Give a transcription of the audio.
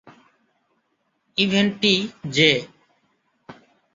ইভেন্টটি J.